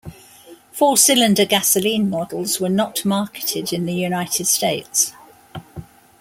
Four-cylinder gasoline models were not marketed in the United States.